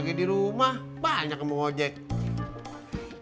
keren banget emak ini